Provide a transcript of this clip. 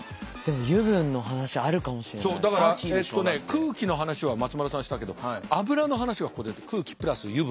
空気の話は松丸さんしたけど油の話がここで空気プラス油分。